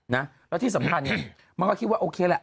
แล้วที่สำคัญเนี่ยมันก็คิดว่าโอเคแหละ